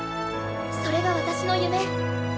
それが私の夢。